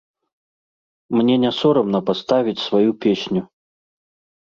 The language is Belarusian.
Мне не сорамна паставіць сваю песню.